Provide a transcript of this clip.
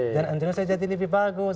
dan indonesia jadi lebih bagus